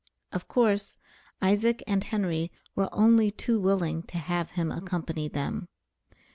Of course Isaac and Henry were only too willing to have him accompany them.